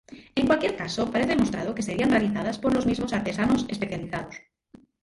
En cualquier caso, parece demostrado que serían realizadas por los mismos artesanos especializados.